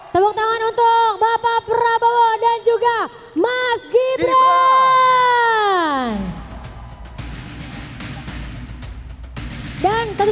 kemenangan indonesia maju